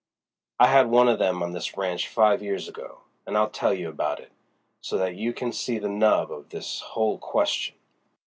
"I had one of them on this ranch five years ago, and I'll tell you about it, so that you can see the nub of this whole question.